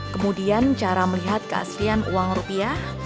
kemudian cara melihat keaslian uang rupiah